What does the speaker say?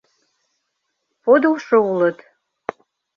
Подылшо улыт.